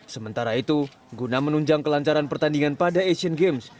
sementara itu guna menunjang kelancaran pertandingan pada asian games